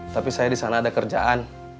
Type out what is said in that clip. tapi saya di sana ada kerjaan